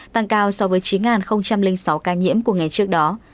tăng cao so với chín sáu ca nhiễm của ngày trước đó